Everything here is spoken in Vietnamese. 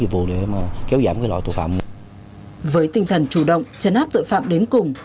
với tinh thần chủ động chấn áp tội phạm đến cùng